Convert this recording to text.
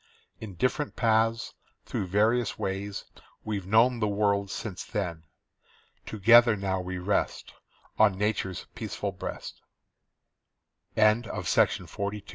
In different paths, through various ways, we've known the world since then. Together now we rest On Nature's peaceful breast. CHILDHOOD'S DAYS. TO M. C.